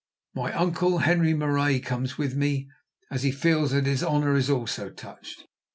My uncle, Henri Marais, comes with me, as he feels that his honour is also touched.